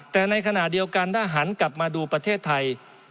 แต่ในขณะเดียวกันถ้าหันกลับมาดูประเทศไทย